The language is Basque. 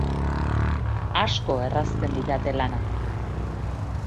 Asko errazten didate lana.